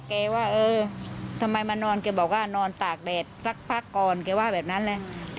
เตะตรงหน้าบ้านตรงนั้นเลยเหรอตรงหน้าถนนเลยเหรอ